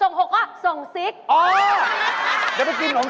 โอ๊ยเลยเพิ่งกินหนงจีนแม่คลิกลาก่อน